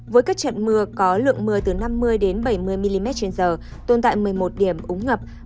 với các trận mưa có lượng mưa từ năm mươi bảy mươi mm trên giờ tồn tại một mươi một điểm úng ngập